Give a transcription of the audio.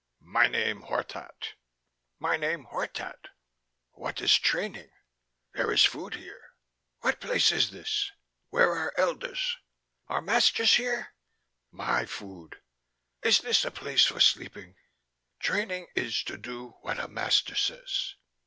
"My name Hortat. My name Hortat." "What is training?" "There is food here." "What place is this?" "Where are elders?" "Are masters here?" "My food." "Is this a place for sleeping?" "Training is to do what a master says.